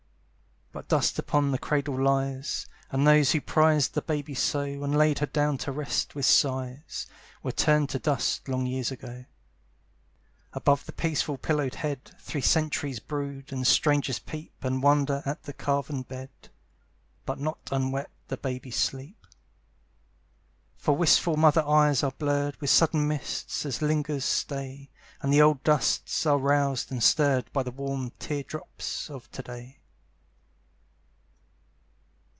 But dust upon the cradle lies, And those who prized the baby so, And laid her down to rest with sighs, Were turned to dust long years ago. Above the peaceful pillowed head Three centuries brood, and strangers peep And wonder at the carven bed, But not unwept the baby's sleep, For wistful mother eyes are blurred With sudden mists, as lingerers stay, And the old dusts are roused and stirred By the warm tear drops of to day.